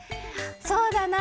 そうだな